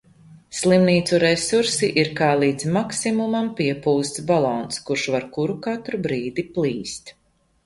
Slimnīcu resursi ir kā līdz maksimumam piepūsts balons, kurš var kuru katru brīdi plīst.